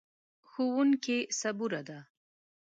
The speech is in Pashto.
ښوونکې صبوره ده.